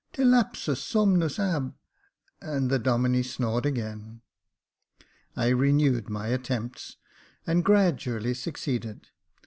Delapsus sotnnus ah " and the Domine snored again. I renewed my attempts, and gradually succeeded.